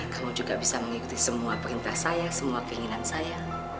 kamu juga bisa mengikuti semua perintah saya semua keinginan saya